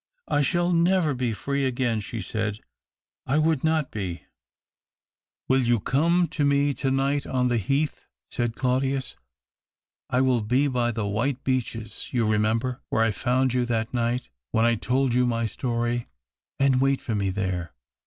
" I shall never be free again," she said ;" I would not be." " Will you come to me to night on the THE OCTAVE OF CLAUDIUS. 267 heath ?" said Claudius. " I will be by the white beeches — you remember, where I found you that night when I told you my story — and wait for me there.